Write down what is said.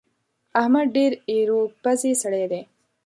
احمد ډېر ايرو پزی سړی دی.